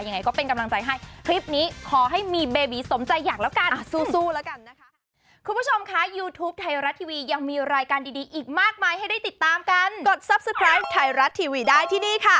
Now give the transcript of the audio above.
ยังไงก็เป็นกำลังใจให้คลิปนี้ขอให้มีเบบีสมใจอยากแล้วกันนะคะ